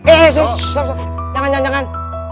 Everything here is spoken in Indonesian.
eh eh stop stop jangan jangan